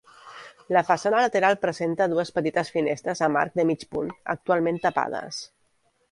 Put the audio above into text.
La façana lateral presenta dues petites finestres amb arc de mig punt actualment tapades.